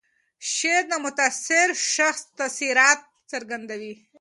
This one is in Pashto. شعر د متاثر شخص تاثیرات څرګندوي.